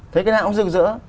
thấy cái nào cũng rửa rỡ